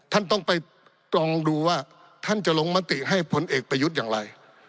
ท่านต้องไปปลองดูว่าท่านจะลงมติให้พลเอกประยุทธ์อย่างไร